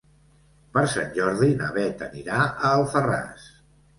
Per Sant Jordi na Bet anirà a Alfarràs.